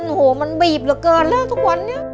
โอ้โหมันบีบเหลือเกินแล้วทุกวันนี้